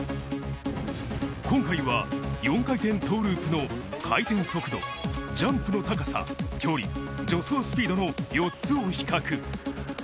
今回は４回転トーループの回転速度、ジャンプの高さ、距離、助走スピードの４つを比較。